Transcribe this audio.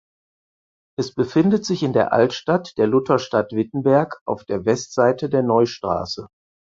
Es befindet sich in der Altstadt der Lutherstadt Wittenberg auf der Westseite der Neustraße.